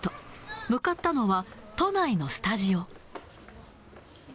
向かったのは、都内のスタジオ。